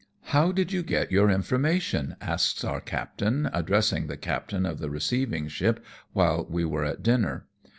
" How did you get your information ?" asks our captain, addressing the captain of the ];eceiving ship, while we were at dinner.